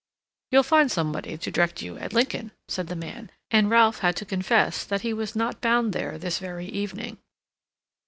"You'll find somebody to direct you at Lincoln," said the man; and Ralph had to confess that he was not bound there this very evening.